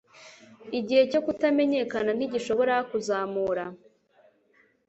Igihe cyo kutamenyekana ntigishobora kuzamura: